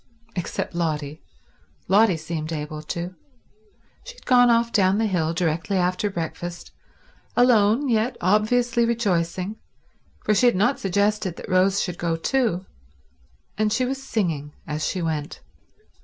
Except Lotty. Lotty seemed able to. She had gone off down the hill directly after breakfast, alone yet obviously rejoicing, for she had not suggested that Rose should go too, and she was singing as she went.